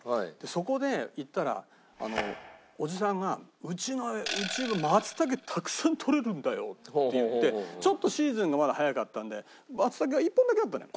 そこで行ったらおじさんが「うちはマツタケたくさん採れるんだよ」って言ってちょっとシーズンがまだ早かったんでマツタケが１本だけあったのよ。